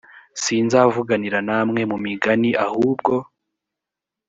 sinzavuganira namwe mu migani ahubwo